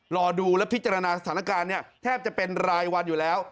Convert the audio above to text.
รอดูและพิจารณาสถานการณ์แทบจะเป็นรายวันอยู่แล้ว